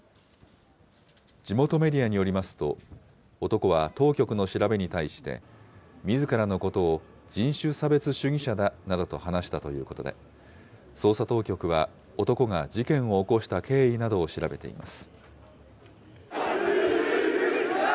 地元メディアによりますと、男は当局の調べに対して、みずからのことを人種差別主義者だなどと話したということで、捜査当局は男が事件を起こした経緯などを調べています。